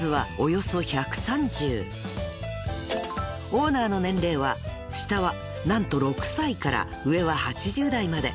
［オーナーの年齢は下は何と６歳から上は８０代まで］